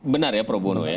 benar ya pro bono ya